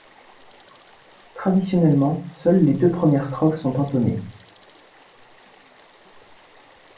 Traditionnellement, seules les deux premières strophes sont entonnées.